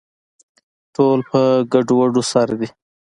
ټول په ګډووډو سر دي